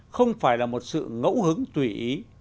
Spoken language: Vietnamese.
không phải là một sự ngẫu hứng tùy ý